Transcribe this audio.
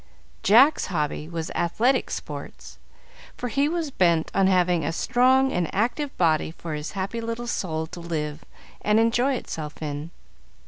Jack's hobby was athletic sports, for he was bent on having a strong and active body for his happy little soul to live and enjoy itself in.